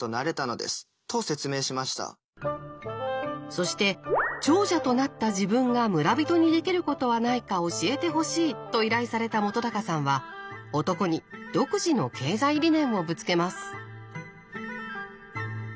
そして「長者となった自分が村人にできることはないか教えてほしい」と依頼された本さんは男に独自の経済理念をぶつけます。